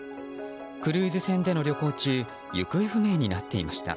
クルーズ船での旅行中行方不明になっていました。